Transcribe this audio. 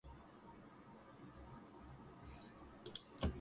He has always been a source of inspiration and guidance for me.